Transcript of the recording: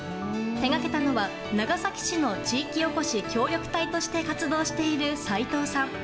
手がけたのは長崎市の地域おこし協力隊として活動している齊藤さん。